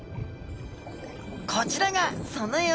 こちらがその様子。